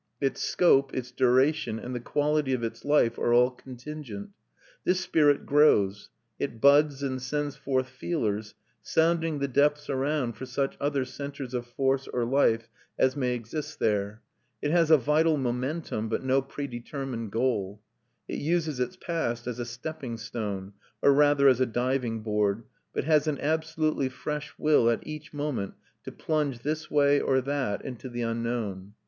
Its scope, its duration, and the quality of its life are all contingent. This spirit grows; it buds and sends forth feelers, sounding the depths around for such other centres of force or life as may exist there. It has a vital momentum, but no predetermined goal. It uses its past as a stepping stone, or rather as a diving board, but has an absolutely fresh will at each moment to plunge this way or that into the unknown.